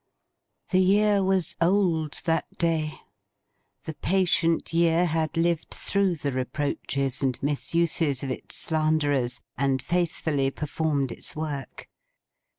The Year was Old, that day. The patient Year had lived through the reproaches and misuses of its slanderers, and faithfully performed its work.